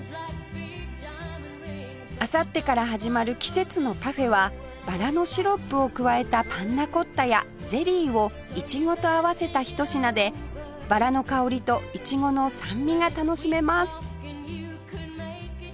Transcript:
あさってから始まる季節のパフェはバラのシロップを加えたパンナコッタやゼリーをいちごと合わせたひと品でバラの香りといちごの酸味が楽しめます